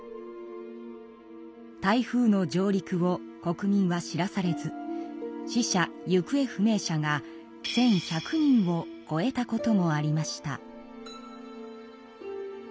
台風の上陸を国民は知らされず死者・行方不明者が１，１００人をこえたこともありました。